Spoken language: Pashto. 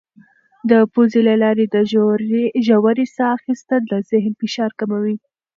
د پوزې له لارې د ژورې ساه اخیستل د ذهن فشار کموي.